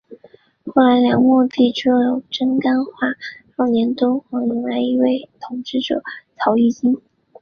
后梁末帝朱友贞干化二年敦煌迎来一位新的统治者曹议金。